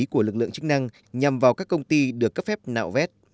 của lực lượng chức năng nhằm vào các công ty được cấp phép nạo vét